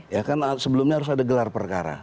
ya kan sebelumnya harus ada gelar perkara